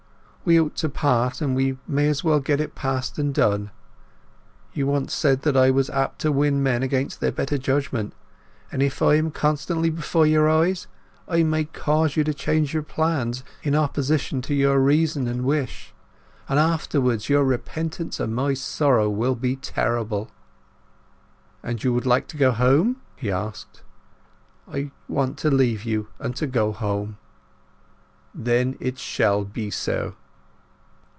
We ought to part, and we may as well get it past and done. You once said that I was apt to win men against their better judgement; and if I am constantly before your eyes I may cause you to change your plans in opposition to your reason and wish; and afterwards your repentance and my sorrow will be terrible." "And you would like to go home?" he asked. "I want to leave you, and go home." "Then it shall be so."